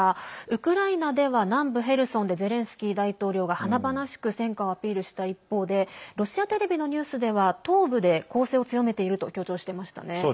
ウクライナでは南部ヘルソンでゼレンスキー大統領が、華々しく戦果をアピールした一方でロシアテレビのニュースでは東部で攻勢を強めていると強調していましたね。